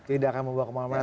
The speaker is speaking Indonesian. tidak akan membawa kemana mana